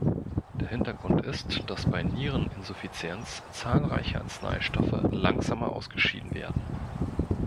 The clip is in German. Der Hintergrund ist, dass bei Niereninsuffizienz zahlreiche Arzneistoffe langsamer ausgeschieden werden.